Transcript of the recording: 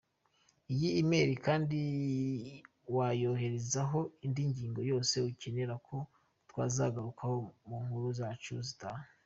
Iyi email kandi wayoherezaho indi ngingo yose ukeneyeho ko twazagarukaho mu nkuru zacu zitaha.